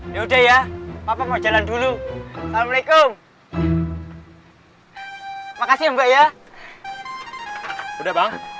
ya udah ya papa mau jalan dulu assalamualaikum makasih mbak ya udah banget